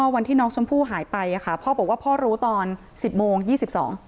วันที่น้องชมพู่หายไปอ่ะค่ะพ่อบอกว่าพ่อรู้ตอนสิบโมงยี่สิบสอง